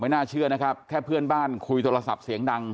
น่าเชื่อนะครับแค่เพื่อนบ้านคุยโทรศัพท์เสียงดัง